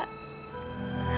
dan kita bisa berdoa